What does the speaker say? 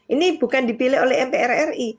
ini bukan dipilih oleh mprri